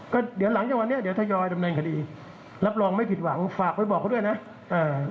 ก็เดี๋ยวหลังจากวันนี้เดี๋ยวทยอยดำเนินคดีรับรองไม่ผิดหวังฝากไว้บอกเขาด้วยนะเอ่อ